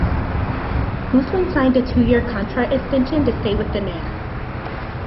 Guzman signed a two-year contract extension to stay with the Nats.